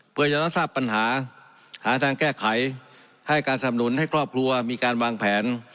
เพื่อจะรับทราบปัญหาหาทางแก้ไขให้การสำนุนให้ครอบครัวมีการวางแผน